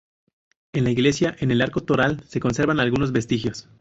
En la iglesia, en el arco toral se conservan algunos vestigios.